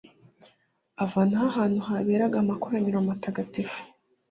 avanaho ahantu haberaga amakoraniro matagatifu.